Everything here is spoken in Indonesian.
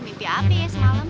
mimpi apa ya semalam